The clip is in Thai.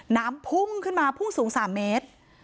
น้ำพุ่งขึ้นมาพุ่งสูง๓เมตร